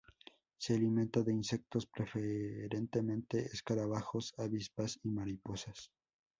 Se alimenta de insectos, preferentemente escarabajos, avispas y mariposas.